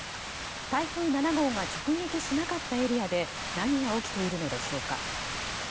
台風７号が直撃しなかったエリアで何が起きているのでしょうか。